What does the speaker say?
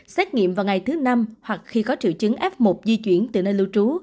xét nghiệm vào ngày thứ năm hoặc khi có triệu chứng f một di chuyển từ nơi lưu trú